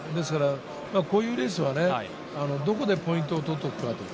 こういうレースはどこでポイントを取っておくか。